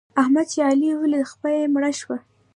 احمد چې علي وليد؛ خپه يې مړه شول.